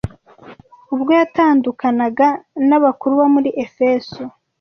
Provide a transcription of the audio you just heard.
Ubwo yatandukanaga n’abakuru bo muri Efeso